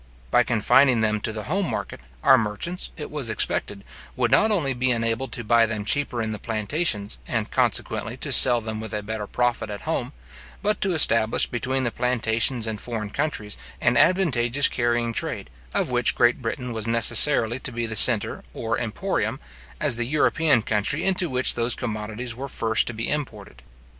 By confining them to the home market, our merchants, it was expected, would not only be enabled to buy them cheaper in the plantations, and consequently to sell them with a better profit at home, but to establish between the plantations and foreign countries an advantageous carrying trade, of which Great Britain was necessarily to be the centre or emporium, as the European country into which those commodities were first to be imported.